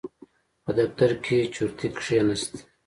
په دفتر کې چورتي کېناست.